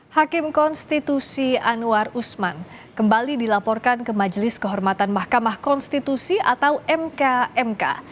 hakim konstitusi anwar usman kembali dilaporkan ke majelis kehormatan mahkamah konstitusi atau mkmk